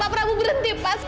pak prabowo berhenti pak